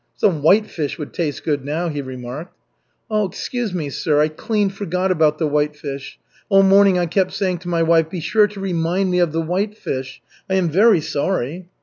"Some whitefish would taste good now," he remarked. "Excuse me, sir, I clean forgot about the whitefish. All morning I kept saying to my wife: 'Be sure to remind me of the whitefish.' I am very sorry."